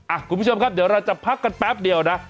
คุณผู้ชมครับเดี๋ยวเราจะพักกันแป๊บเดียวนะ